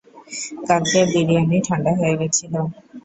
কালকে বিরিয়ানি ঠান্ডা হয়ে গেছিল।